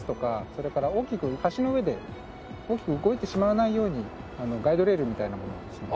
それから橋の上で大きく動いてしまわないようにガイドレールみたいなものをですね。